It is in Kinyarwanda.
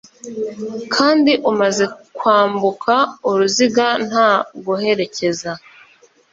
kandi umaze kwambuka uruziga nta guherekeza